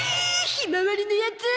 ひまわりのヤツ！